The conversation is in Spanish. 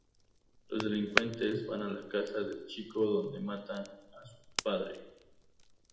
Los delincuentes van a la casa del chico donde matan a su padre.